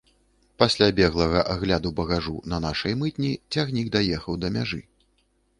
Пасля беглага агляду багажу на нашай мытні цягнік даехаў да мяжы.